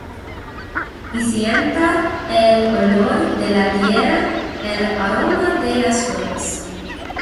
Y sienta el olor de la tierra, el aroma de las flores.